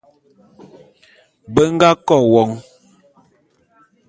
Be nga KO won.